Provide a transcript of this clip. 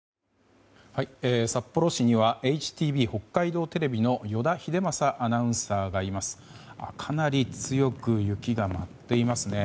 札幌市にはＨＴＢ北海道テレビの依田英将アナウンサーがいます。